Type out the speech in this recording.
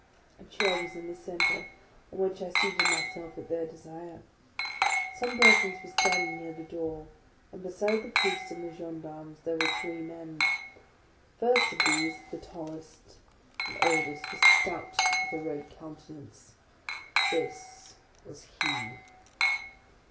A chair was in the centre, on which I seated myself at their desire. Some persons were standing near the door; and beside the Priest and gendarmes, there were three men. The first of these, the tallest and oldest, was stout, with a red countenance. This was HE.